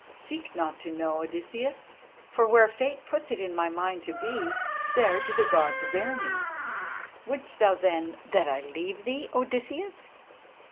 Seek not to know, Odysseus, for where Fate puts it in my mind to be, there do the Gods bear me. Wouldst thou, then, that I leave thee, Odysseus?"